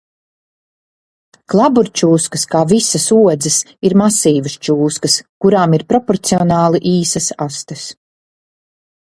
Klaburčūskas kā visas odzes ir masīvas čūskas, kurām ir proporcionāli īsas astes.